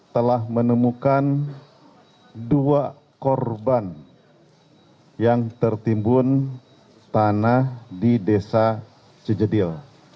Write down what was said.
telah menemukan dua korban yang tertimbun tanah di desa cijedil